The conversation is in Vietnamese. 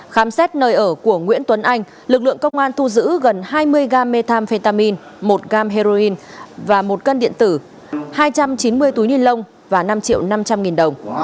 khám xét nơi ở của nguyễn tuấn anh lực lượng công an thu giữ gần hai mươi ga methamphetamine một gam heroin và một cân điện tử hai trăm chín mươi túi ni lông và năm triệu năm trăm linh nghìn đồng